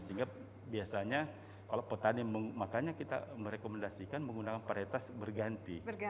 sehingga biasanya kalau petani makanya kita merekomendasikan menggunakan paritas berganti